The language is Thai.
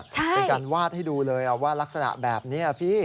เป็นการวาดให้ดูเลยว่ารักษณะแบบนี้พี่